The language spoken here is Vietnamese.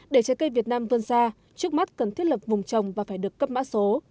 để trái cây việt nam vươn xa trước mắt cần thiết lập vùng trồng và phải được cấp mã số